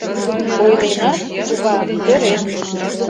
Ойленат, кува, сӧрен